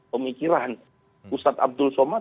pemikiran ustadz abdul somad